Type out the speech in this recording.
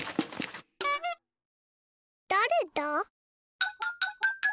だれだ？